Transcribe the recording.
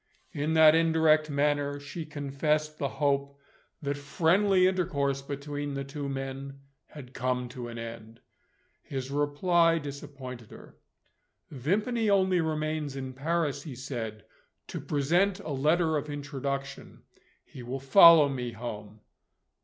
In that indirect manner, she confessed the hope that friendly intercourse between the two men had come to an end. His reply disappointed her. "Vimpany only remains in Paris," he said, "to present a letter of introduction. He will follow me home."